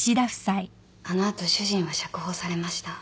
あの後主人は釈放されました。